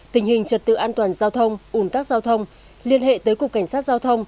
tình hình trật tự an toàn giao thông ủn tắc giao thông liên hệ tới cục cảnh sát giao thông